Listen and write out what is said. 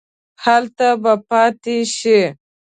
هلته به پاتې شې.